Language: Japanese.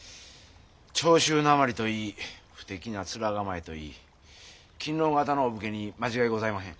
長州訛りといい不敵な面構えといい勤皇方のお武家に間違いございまへん。